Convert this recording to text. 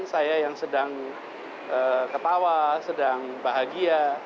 saya yang sedang ketawa sedang bahagia